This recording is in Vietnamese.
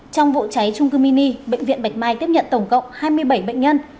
trong vụ cháy trung cư mini bệnh viện bạch mai tiếp nhận tổng cộng hai mươi bảy bệnh nhân